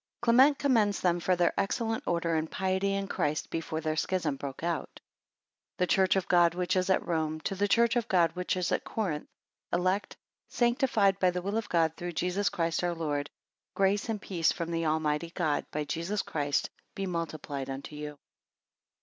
Clement commends them for their excellent order and piety in Christ, before their schism broke out. THE Church of God which is at Rome, to the Church of God which is at Corinth, elect, sanctified by the will of God, through Jesus Christ our Lord: grace and peace from the Almighty God, by Jesus Christ, be multiplied unto you.